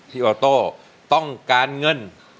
พี่โอโต้ต้องการเงิน